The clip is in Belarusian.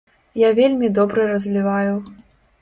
Я вельмі добра разліваю.